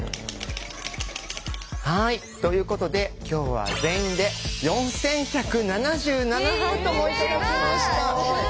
はいということで今日は全員で４１７７ハートも頂きました！